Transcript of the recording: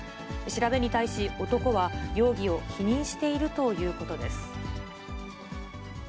調べに対し、男は容疑を否認しているということです。